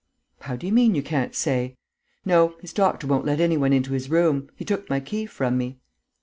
"How do you mean, you can't say?" "No, his doctor won't let any one into his room. He took my key from me."